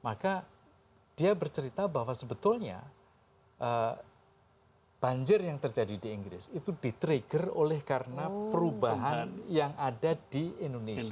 maka dia bercerita bahwa sebetulnya banjir yang terjadi di inggris itu di trigger oleh karena perubahan yang ada di indonesia